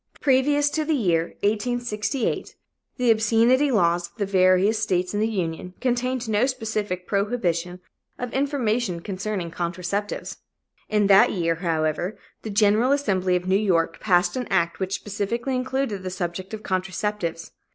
Previous to the year 1868, the obscenity laws of the various states in the Union contained no specific prohibition of information concerning contraceptives. In that year, however, the General Assembly of New York passed an act which specifically included the subject of contraceptives.